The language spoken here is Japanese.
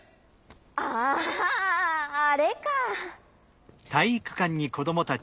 あああれか！